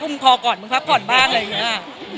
พอก่อนมึงพักผ่อนบ้างอะไรอย่างนี้